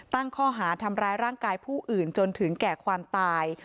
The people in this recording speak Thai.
ตั้งข้อหาทำร้ายร่างกายผู้อื่นจนถึงแก่ความตาย